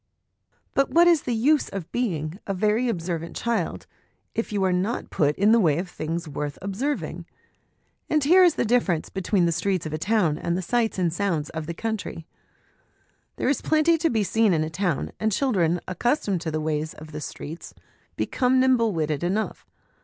But what is the use of being ' a very observant child/ if you are 70 HOME EDUCATION not put in the way of things worth observing? And here is the difference between the streets of a town and the sights and sounds of the country. There is plenty to be seen in a town, and children accustomed to the ways of the streets become nimble witted enough.